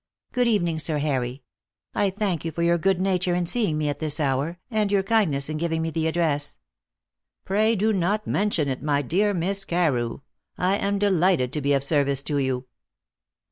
Good evening, Sir Harry. I thank you for your good nature in seeing me at this hour, and your kindness in giving me the address." "Pray do not mention it, my dear Miss Carew. I am delighted to be of service to you."